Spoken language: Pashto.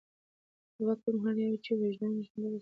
د واک پر مهال يې وجدان ژوندی وساته.